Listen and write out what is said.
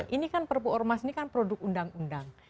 ini kan perpu ormas ini kan produk undang undang